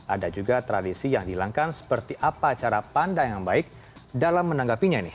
ada juga tradisi yang dilangkan seperti apa cara pandai yang baik dalam menanggapinya